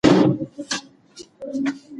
موږ باید ښوونځي پیاوړي کړو.